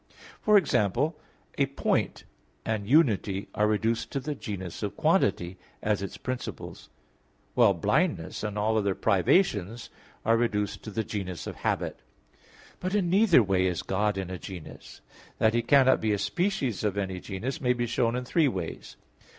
For example, a point and unity are reduced to the genus of quantity, as its principles; while blindness and all other privations are reduced to the genus of habit. But in neither way is God in a genus. That He cannot be a species of any genus may be shown in three ways.